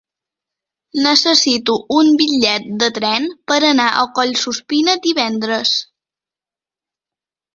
Necessito un bitllet de tren per anar a Collsuspina divendres.